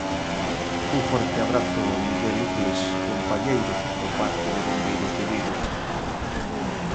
Un forte abrazo Miguel Ucles, compañeiro do parque de bombeiros de Vigo.